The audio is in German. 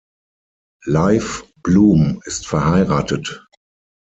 Leif Blum ist verheiratet.